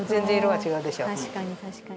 確かに確かに。